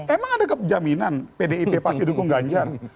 emang ada jaminan pdip pasti dukung ganjar